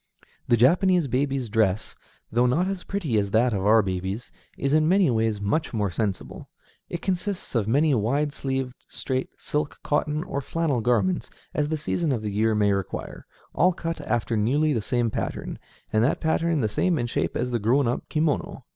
The Japanese baby's dress, though not as pretty as that of our babies, is in many ways much more sensible. It consists of as many wide sleeved, straight, silk, cotton, or flannel garments as the season of the year may require, all cut after nearly the same pattern, and that pattern the same in shape as the grown up kimono.